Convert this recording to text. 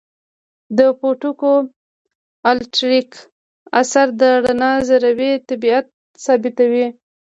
د فوټو الیټکریک اثر د رڼا ذروي طبیعت ثابتوي.